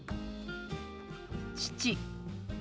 「父」。